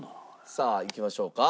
さあいきましょうか。